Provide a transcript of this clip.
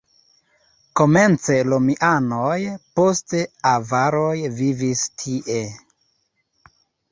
Komence romianoj, poste avaroj vivis tie.